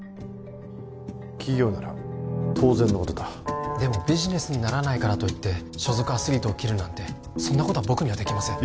企業なら当然のことだでもビジネスにならないからといって所属アスリートを切るなんてそんなことは僕にはできません